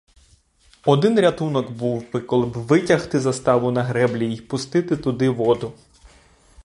Один рятунок був би, коли б витягти заставу на греблі й пустити туди воду.